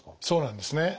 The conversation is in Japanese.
そうなんですね。